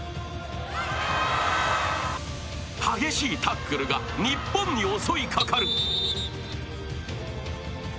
激しいタックルが日本に襲いかかる。